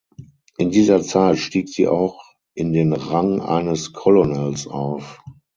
In dieser Zeit stieg sie auch in den Rang eines Colonels auf.